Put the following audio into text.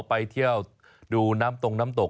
ไปเที่ยวดูน้ำตรงน้ำตก